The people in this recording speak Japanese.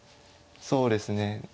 そうですね